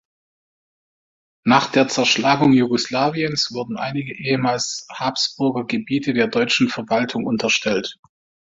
Nach der Zerschlagung Jugoslawiens wurden einige ehemals Habsburger Gebiete der deutschen Verwaltung unterstellt.